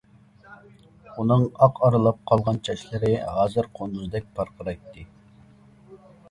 ئۇنىڭ ئاق ئارىلاپ قالغان چاچلىرى ھازىر قۇندۇزدەك پارقىرايتتى.